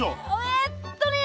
えっとね